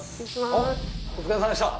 ・おっお疲れさまでした